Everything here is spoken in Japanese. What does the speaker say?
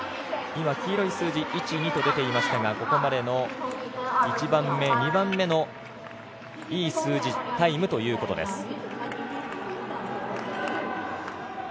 今、黄色い数字１、２と出ていましたがここまでの１番目、２番目のいい数字、タイムということです。